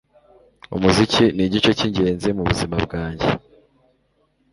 Umuziki nigice cyingenzi mubuzima bwanjye.